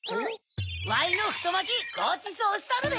わいのふとまきごちそうしたるで！